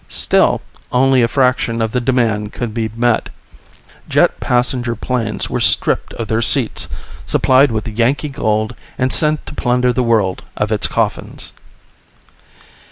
Still only a fraction of the demand could be met. Jet passenger planes were stripped of their seats, supplied with Yankee gold, and sent to plunder the world of its coffins.